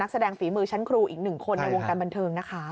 แสดงฝีมือชั้นครูอีกหนึ่งคนในวงการบันเทิงนะคะ